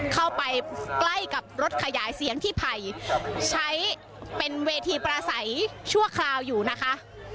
เข้าไปใกล้กับรถขยายเสียงที่ไผ่ใช้เป็นเวทีประสัยชั่วคราวอยู่นะคะ